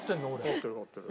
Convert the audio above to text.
勝ってる勝ってる。